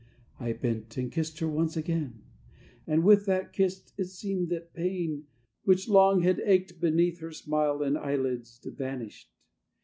I bent and kissed her once again: And with that kiss it seemed that pain, Which long had ached beneath her smile And eyelids, vanished.